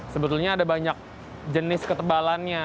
sebetulnya ada banyak jenis ketebalannya